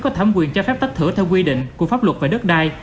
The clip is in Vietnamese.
có thẩm quyền cho phép tách thửa theo quy định của pháp luật về đất đai